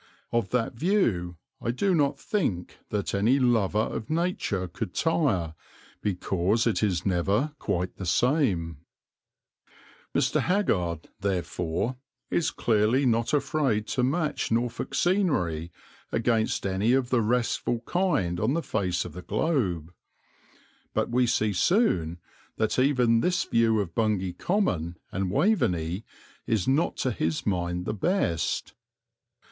Of that view I do not think that any lover of Nature could tire, because it is never quite the same." [Illustration: BECCLES FROM THE WAVENEY] Mr. Haggard, therefore, is clearly not afraid to match Norfolk scenery against any of the restful kind on the face of the globe; but we see soon that even this view of Bungay Common and Waveney is not to his mind the best.